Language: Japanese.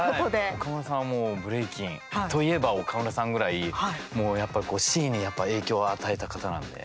岡村さんはブレイキンといえば岡村さんぐらいシーンに影響を与えた方なんで。